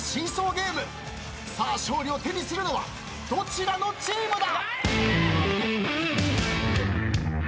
さあ勝利を手にするのはどちらのチームだ？